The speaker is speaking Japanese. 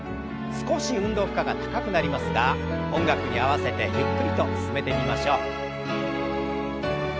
少し運動負荷が高くなりますが音楽に合わせてゆっくりと進めてみましょう。